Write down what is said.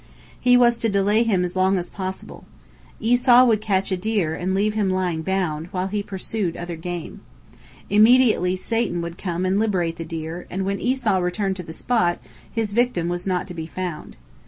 He was to delay him as long as possible. Esau would catch a deer and leave him lying bound, while he pursued other game. Immediately Satan would come and liberate the deer, and when Esau returned to the spot, his victim was not to be found.